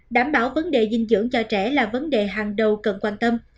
đảm bảo vấn đề dinh dưỡng cho trẻ là vấn đề hàng đầu cần quan tâm